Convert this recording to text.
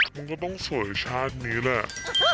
มันก็ต้องสวยชาตินี้แหละ